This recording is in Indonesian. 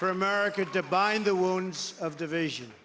untuk amerika untuk menutupi sakit pergabungan